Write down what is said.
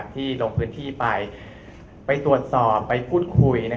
ที่ลงพื้นที่ไปไปตรวจสอบไปพูดคุย